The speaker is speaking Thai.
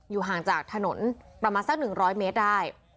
ห่างจากถนนประมาณสัก๑๐๐เมตรได้